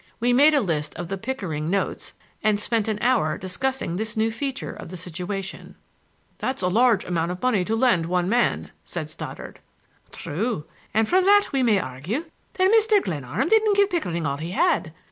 We made a list of the Pickering notes and spent an hour discussing this new feature of the situation. "That's a large amount of money to lend one man," said Stoddard. "True; and from that we may argue that Mr. Glenarm didn't give Pickering all he had.